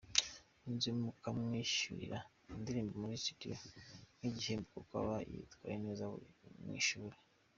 Yunzemo ko amwishyurira indirimbo muri studio nk'igihembo kuko aba yitwaye neza mu ishuri.